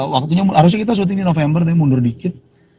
waktunya harusnya kita syuting di november tapi mundur dikit